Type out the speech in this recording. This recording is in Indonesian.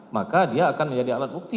maka dia akan menjadi alat bukti